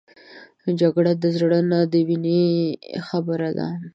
جګړه د زړه نه د وینې خبره ده